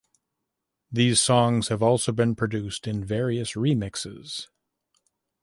These songs have also been produced in various remixes.